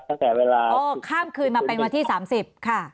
ตั้งแต่เวลาโอ้ข้ามคืนมาเป็นวันที่สามสิบค่ะ